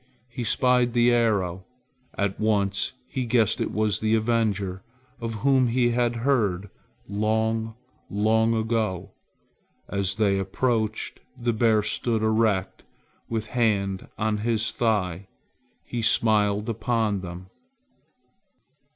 He spied the arrow. At once he guessed it was the avenger of whom he had heard long, long ago. As they approached, the bear stood erect with a hand on his thigh. He smiled upon them.